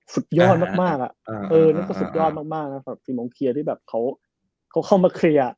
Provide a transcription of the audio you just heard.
สุดยอดมากสิ่งมองเคลียร์ที่เขาเข้ามาเคลียร์